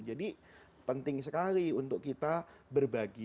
jadi penting sekali untuk kita berbagi